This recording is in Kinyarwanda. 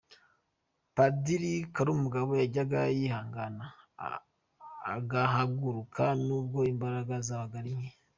Padiri Karumugabo yajyaga yihangana agahaguruka nubwo imbaraga zabaga ari nke